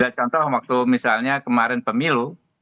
dan contoh waktu misalnya kemarin pemilu